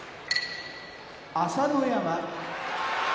朝乃山